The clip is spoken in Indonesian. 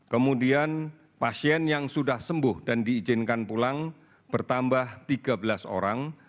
kemudian pasien yang sudah sembuh dan diizinkan pulang bertambah tiga belas orang